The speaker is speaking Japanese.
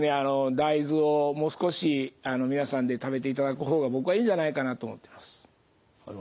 大豆をもう少し皆さんで食べていただく方が僕はいいんじゃないかなと思ってます。